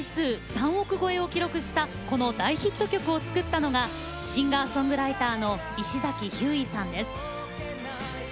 ３億超えを記録したこの大ヒット曲を作ったのがシンガーソングライターの石崎ひゅーいさんです。